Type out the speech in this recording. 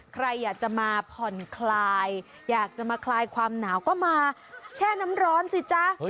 ใครอยากจะมาผ่อนคลายอยากจะมาคลายความหนาวก็มาแช่น้ำร้อนสิจ๊ะ